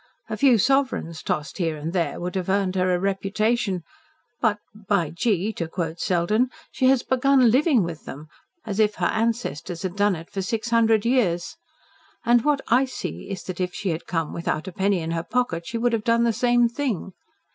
A few sovereigns tossed here and there would have earned her a reputation but, by gee! to quote Selden she has begun LIVING with them, as if her ancestors had done it for six hundred years. And what I see is that if she had come without a penny in her pocket she would have done the same thing."